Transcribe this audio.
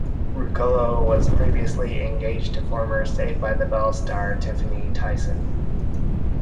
Ruccolo was previously engaged to former "Saved by the Bell" star Tiffani Thiessen.